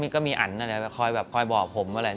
ก็มีอันอย่างไรคอยบอกผม